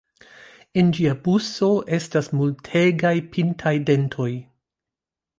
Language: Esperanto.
En ĝia buso estas multegaj pintaj dentoj.